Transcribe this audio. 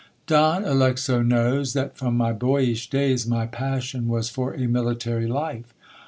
Dow Alexo knows, that from my boyish days, my passion was for a military life.